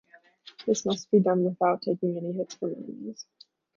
This must be done without taking any hits from enemies.